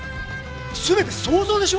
全て想像でしょ？